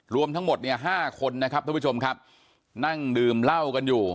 รวมทั้งหมดเนี่ยห้าคนนะครับท่านผู้ชมครับนั่งดื่มเหล้ากันอยู่